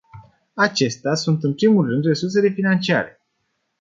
Acestea sunt, în primul rând, resursele financiare.